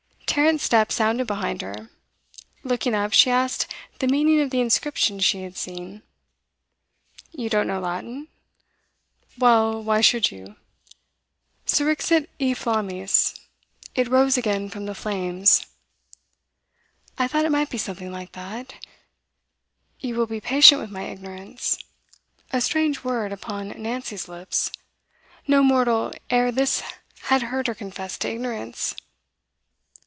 Tarrant's step sounded behind her. Looking up she asked the meaning of the inscription she had seen. 'You don't know Latin? Well, why should you? Surrexit e flammis, "It rose again from the flames." 'I thought it might be something like that. You will be patient with my ignorance?' A strange word upon Nancy's lips. No mortal ere this had heard her confess to ignorance.